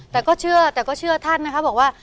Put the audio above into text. แต่ก็เชื่อท่านนะครับบอกว่า